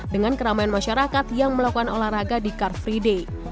dengan keramaian masyarakat yang melakukan olahraga di car free day